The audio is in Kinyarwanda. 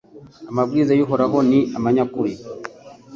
Amabwiriza y’Uhoraho ni amanyakuri